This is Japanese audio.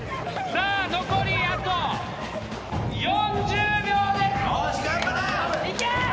さあ残りあと４０秒。